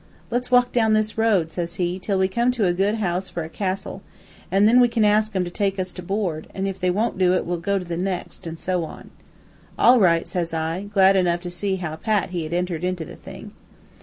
"'Let's walk down this road,' says he, 'till we come to a good house for a castle, an' then we can ask 'em to take us to board, an' if they wont do it we'll go to the next, an' so on.' "'All right,' says I, glad enough to see how pat he entered into the thing.